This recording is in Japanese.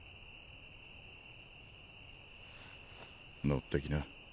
乗ってきな。